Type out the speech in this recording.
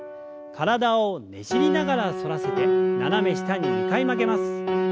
体をねじりながら反らせて斜め下に２回曲げます。